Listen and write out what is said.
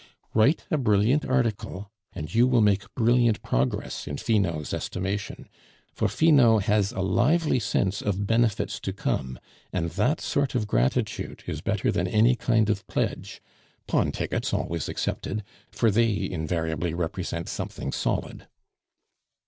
Write a brilliant article, and you will make brilliant progress in Finot's estimation; for Finot has a lively sense of benefits to come, and that sort of gratitude is better than any kind of pledge, pawntickets always excepted, for they invariably represent something solid."